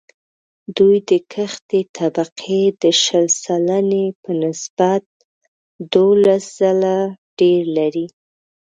دوی د کښتې طبقې د شل سلنې په نسبت دوولس ځله ډېر لري